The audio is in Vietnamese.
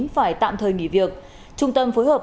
phải tạm thời nghỉ việc trung tâm phối hợp